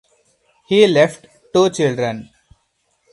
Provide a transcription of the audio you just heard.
He left two children.